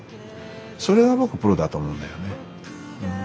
それが僕プロだと思うんだよね。